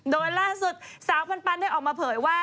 โดยล่าสุดสาวปันได้ออกมาเผยว่า